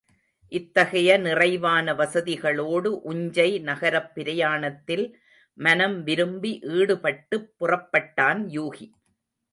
இத்தகைய நிறைவான வசதிகளோடு உஞ்சை நகரப் பிரயாணத்தில் மனம் விரும்பி ஈடுபட்டுப் புறப்பட்டான் யூகி.